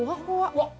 うわっ！